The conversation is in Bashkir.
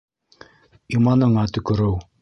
Иманыңа төкөрөү!